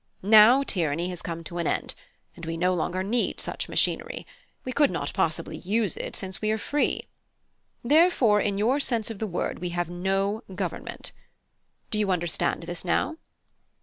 Now tyranny has come to an end, and we no longer need such machinery; we could not possibly use it since we are free. Therefore in your sense of the word we have no government. Do you understand this now?